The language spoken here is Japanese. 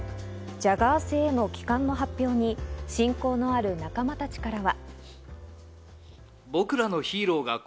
ジャガー星への帰還の発表に親交のある仲間たちからは。